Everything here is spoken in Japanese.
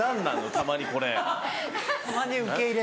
たまにこれ。